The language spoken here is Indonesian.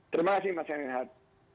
terima kasih mas enin had